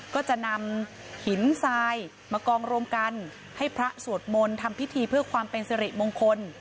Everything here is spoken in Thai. ก็จะนำหินทรายมากองรวมกันให้พระสวดมนต์ทำพิธีเพื่อความเป็นสิริมงคล